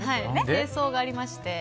正装がありまして。